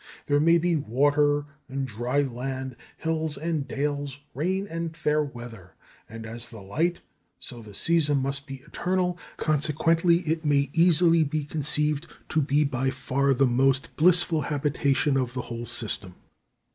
There may be water and dry land, hills and dales, rain and fair weather; and as the light, so the season must be eternal, consequently it may easily be conceived to be by far the most blissful habitation of the whole system!"